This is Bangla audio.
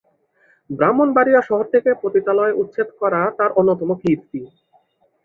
ব্রাহ্মণবাড়িয়া শহর থেকে পতিতালয় উচ্ছেদ করা তার অন্যতম কীর্তি।